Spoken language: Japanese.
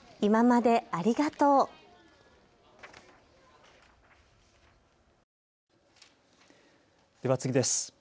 では次です。